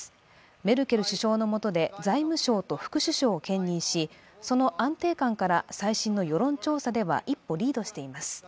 メルケル首相の下で財務相と副首相を兼任し、その安定感から最新の世論調査では一歩リードしています。